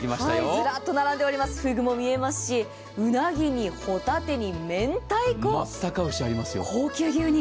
ずらっと並んでおります、ふぐも見えますし、うなぎにめんたいこ、高級牛肉。